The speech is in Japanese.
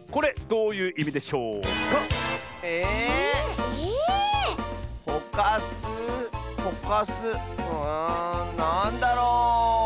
うんなんだろう？